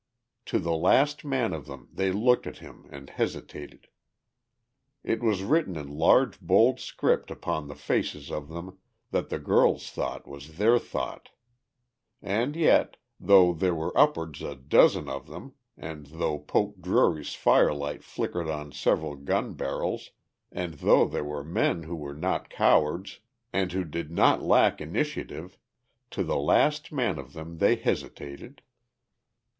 To the last man of them they looked at him and hesitated. It was written in large bold script upon the faces of them that the girl's thought was their thought. And yet, though there were upward a dozen of them and though Poke Drury's firelight flickered on several gun barrels and though here were men who were not cowards and who did not lack initiative, to the last man of them they hesitated.